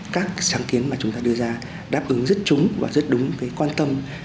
các sáng kiến mà chúng ta đưa ra đáp ứng rất trúng và rất đúng với quan tâm